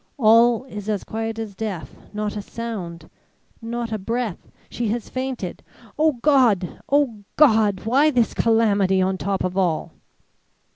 All is as quiet as death; not a sound, not a breath she has fainted. O God! O God! Why this calamity on top of all!"